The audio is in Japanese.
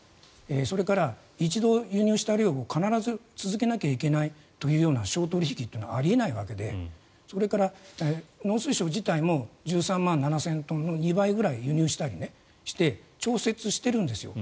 それから一度輸入した量を必ず続けなければいけないという商取引というのはあり得ないわけでそれから、農水省自体も１３万７０００トンの２倍ぐらい輸入したりして調節してるんですよ。